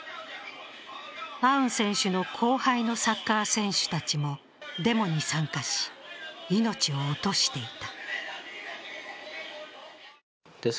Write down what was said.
アウン選手の後輩のサッカー選手たちもデモに参加し、命を落としていた。